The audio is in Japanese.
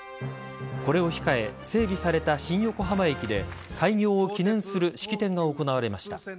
これを控え整備された新横浜駅で開業を記念する式典が行われました。